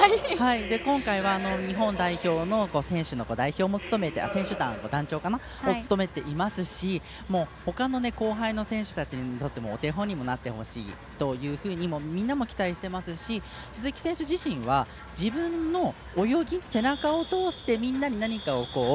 今回は日本代表の選手団の団長を務めていますしほかの後輩の選手たちにとってもお手本にもなってほしいというふうにみんなも期待していますし鈴木選手自身は自分の泳ぎ、背中を通してみんなに何かを。